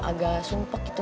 agak sumpah gitu